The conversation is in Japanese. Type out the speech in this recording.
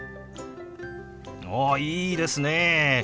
おいいですね！